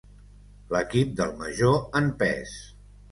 L'equip del Major en pes.